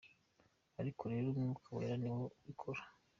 ariko rero Umwuka wera ni we ubikora.